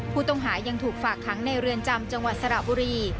ผู้ต้องหายังถูกฝากค้างในเรือนจำจังหวัดสระบุรี